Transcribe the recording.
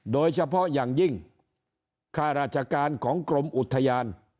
โดยเฉพาะอย่างยิ่งข้าราชการของกรมอุทยาน